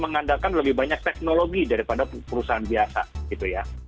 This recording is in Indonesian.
mengandalkan lebih banyak teknologi daripada perusahaan biasa gitu ya